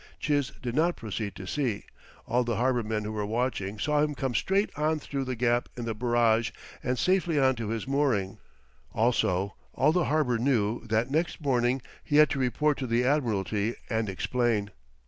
Chiz did not proceed to sea. All the harbor men who were watching saw him come straight on through the gap in the barrage, and safely on to his mooring. Also all the harbor knew that next morning he had to report to the admiralty and explain.